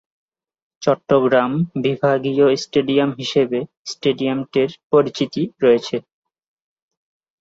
চট্টগ্রাম বিভাগীয় স্টেডিয়াম হিসেবে স্টেডিয়ামটির পরিচিতি রয়েছে।